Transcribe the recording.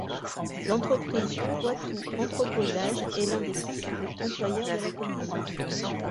L’entreprise Poitou Entreposage est l’un des principaux employeurs de la commune.